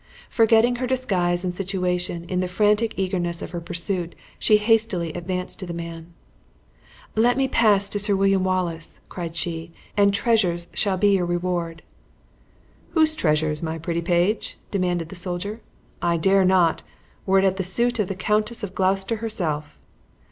Forgetting her disguise and situation, in the frantic eagerness of her pursuit, she hastily advanced to the man: "Let me pass to Sir William Wallace," cried she, "and treasures shall be your reward." "Whose treasures, my pretty page?" demanded the soldier; "I dare not, were it at the suit of the Countess of Gloucester herself."